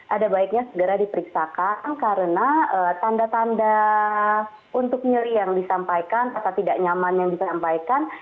ada baiknya segera diperiksakan karena tanda tanda untuk nyeri yang disampaikan rasa tidak nyaman yang disampaikan